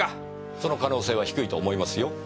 その可能性は低いと思いますよ。